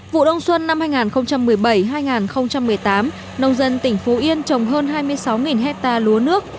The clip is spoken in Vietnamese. vụ đông xuân năm hai nghìn một mươi bảy hai nghìn một mươi tám nông dân tỉnh phú yên trồng hơn hai mươi sáu hectare lúa nước